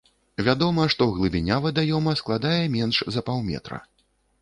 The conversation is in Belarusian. Вядома, што глыбіня вадаёма складае менш за паўметра.